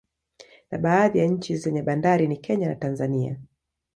Na baadhi ya nchi zenye bandari ni Kenya na Tanzania